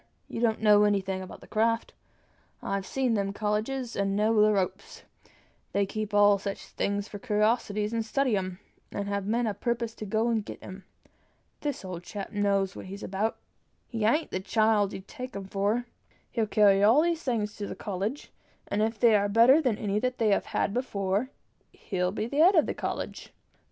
You don't know anything about them craft. I've seen them colleges, and know the ropes. They keep all such things for cur'osities, and study 'em, and have men a' purpose to go and get 'em. This old chap knows what he's about. He a'n't the child you take him for. He'll carry all these things to the college, and if they are better than any that they have had before, he'll be head of the college.